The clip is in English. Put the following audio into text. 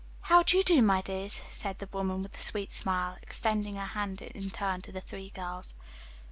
"How do you do, my dears," said the woman with a sweet smile, extending her hand in turn to the three girls.